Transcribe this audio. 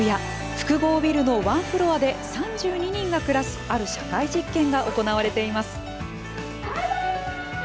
複合ビルのワンフロアで３２人が暮らすある社会実験が行われています。